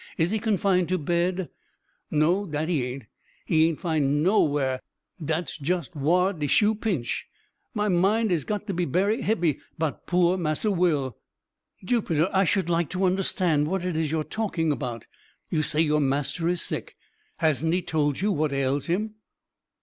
Is he confined to bed?" "No, dat he aint he aint 'fin'd nowhar dat's just whar de shoe pinch my mind is got to be berry hebby 'bout poor Massa Will." "Jupiter, I should like to understand what it is you are talking about. You say your master is sick. Hasn't he told you what ails him?"